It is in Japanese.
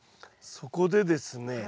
そこでですね